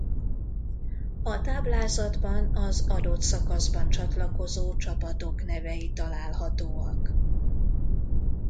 A táblázatban az adott szakaszban csatlakozó csapatok nevei találhatóak.